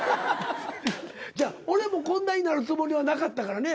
ちゃう俺もこんなんになるつもりはなかったからね。